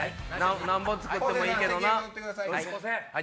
なんぼ作ってもいいけどな。